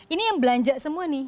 ini yang belanja semua nih